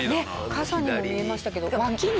傘にも見えましたけど脇に。